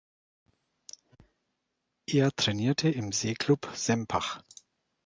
Er trainierte im Seeclub Sempach.